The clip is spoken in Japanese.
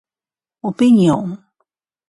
オピニオン